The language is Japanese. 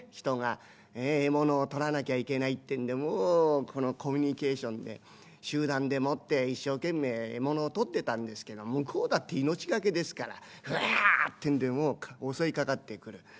人が獲物を取らなきゃいけないってんでもうこのコミュニケーションで集団でもって一生懸命獲物を取ってたんですけども向こうだって命懸けですからふわってんでもう襲いかかってくる。